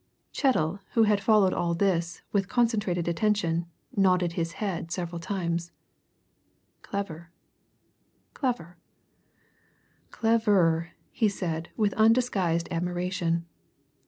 Chettle, who had followed all this with concentrated attention, nodded his head several times. "Clever clever clever!" he said with undisguised admiration.